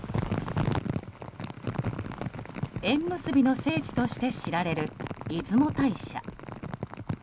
縁結びの聖地として知られる出雲大社。